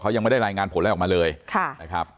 ยังไม่ได้รายงานผลอะไรออกมาเลยนะครับ